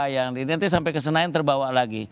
yang nanti sampai ke senayan terbawa lagi